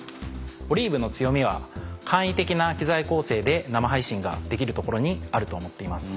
ＯＬＩＶＥの強みは簡易的な機材構成で生配信ができるところにあると思っています。